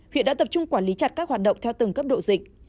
huyện đã tập trung quản lý chặt các hoạt động theo từng cấp độ dịch